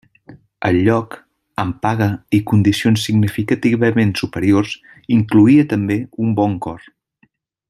El lloc, amb paga i condicions significativament superiors, incloïa també un bon cor.